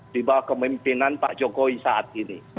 di bawah kemimpinan pak jokowi saat ini